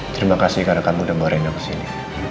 terima kasih karena kamu udah bawa reina kesini